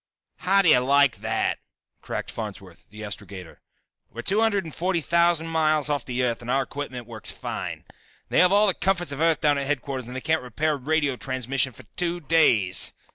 "How do you like that!" cracked Farnsworth, the astrogator. "We're two hundred and forty thousand miles off the Earth and our equipment works fine. They have all the comforts of Earth down at headquarters and they can't repair radio transmission for two days!"